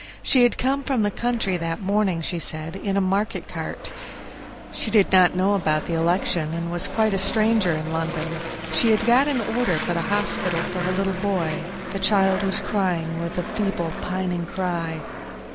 She had come from the country that morning, she said, in a market cart; she did not know about the election, and was quite a stranger in London. She had got an order for the hospital for her little boy. The child was crying with a feeble, pining cry.